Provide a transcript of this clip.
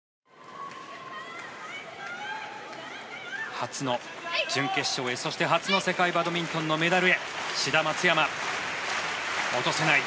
初の準決勝へ、そして初の世界バドミントンのメダルへ志田・松山落とせない